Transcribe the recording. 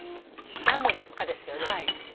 なんの略かですよね？